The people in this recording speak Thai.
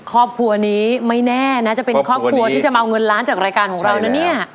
ครอบครัวนี้ไม่แน่นะจะเป็นครอบครัวที่จะมาเอาเงินล้านจากรายการของเรานะเนี่ย